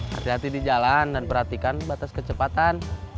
hati hati di jalan dan perhatikan batas kecepatan